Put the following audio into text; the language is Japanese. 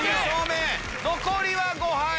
残りは５杯。